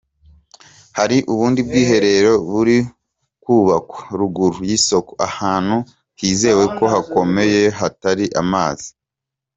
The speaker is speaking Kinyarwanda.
Hari ubundi bwiherero buri kubakwa ruguru y’isoko, ahantu hizewe ko hakomeye hatari amazi.